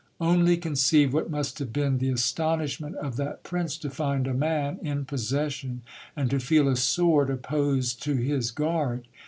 Only conceive what must have been the astonishment of that prince to find a man in possession, and to feel a sword opposed to his guard.